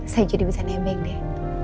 saya jadi bisa nemeng deh